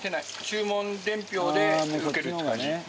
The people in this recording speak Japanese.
注文伝票で受けるって感じ。